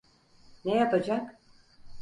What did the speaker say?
Ne yapacak?